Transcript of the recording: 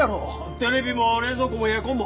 テレビも冷蔵庫もエアコンも！